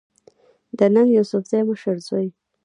د ننګ يوسفزۍ مشر زوی